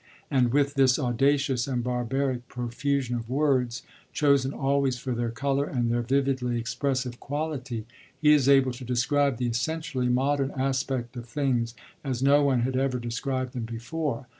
And with this audacious and barbaric profusion of words chosen always for their colour and their vividly expressive quality he is able to describe the essentially modern aspects of things as no one had ever described them before.